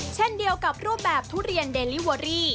เช่นเดียวกับรูปแบบทุเรียนเดลิเวอรี่